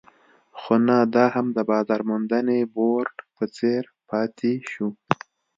خو نه دا هم د بازار موندنې بورډ په څېر پاتې شو.